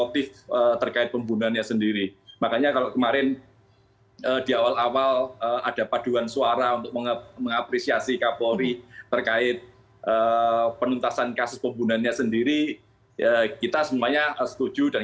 dan juga mempengaruhi banyak aspek di internal